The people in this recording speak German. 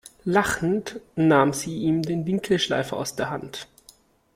Lachend nahm sie ihm den Winkelschleifer aus der Hand.